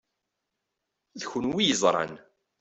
D kunwi i yeẓṛan.